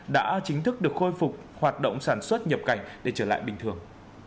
đã chính thức được khôi phục hoạt động sản xuất nhập cảnh để trở lại bình thường